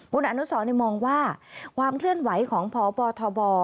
คุณอนุสรมองว่าความเคลื่อนไหวของพบทบ